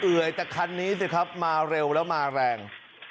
ื่อยแต่คันนี้สิครับมาเร็วแล้วมาแรง